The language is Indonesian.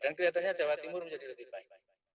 dan kelihatannya jawa timur menjadi lebih baik